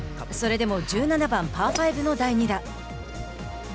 それでも１７番、パー５の第２打。